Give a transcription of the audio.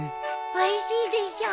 おいしいでしょ？